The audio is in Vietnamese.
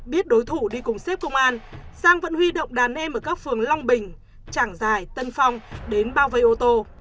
biết đối thủ đi cùng xếp công an sang vẫn huy động đàn em ở các phường long bình trảng giải tân phong đến bao vây ô tô